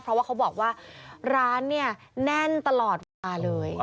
เพราะว่าเขาบอกว่าร้านเนี่ยแน่นตลอดเวลาเลย